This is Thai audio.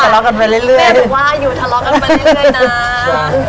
แม่บอกว่าอยู่ทะเลาะกันไปเรื่อยนะ